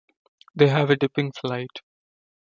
They have a dipping flight.